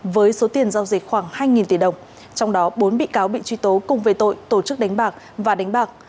với số tiền giao dịch khoảng hai tỷ đồng trong đó bốn bị cáo bị truy tố cùng về tội tổ chức đánh bạc và đánh bạc